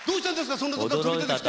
そんなところから飛び出てきて。